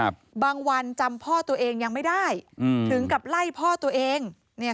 บางวันจำพ่อตัวเองยังไม่ได้อืมถึงกับไล่พ่อตัวเองเนี่ย